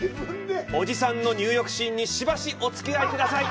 おじさんの入浴シーンにしばしお付き合いください。